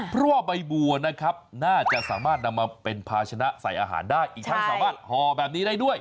เพราะว่าใบบัวนะครับน่าจะสามารถนำมาเป็นภาชนะใส่อาหารได้อีกทั้งสามารถห่อแบบนี้ได้ด้วย